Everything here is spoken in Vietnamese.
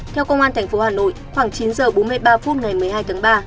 theo công an tp hà nội khoảng chín h bốn mươi ba phút ngày một mươi hai tháng ba